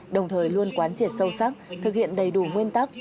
đồng thời luôn quán triệt sâu sắc thực hiện đầy đủ nguyên tắc